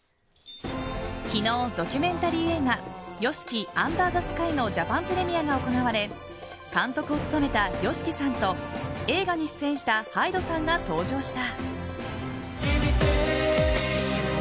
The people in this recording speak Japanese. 昨日、ドキュメンタリー映画「ＹＯＳＨＩＫＩ：ＵＮＤＥＲＴＨＥＳＫＹ」のジャパンプレミアが行われ監督を務めたＹＯＳＨＩＫＩさんと映画に出演したＨＹＤＥさんが登場した。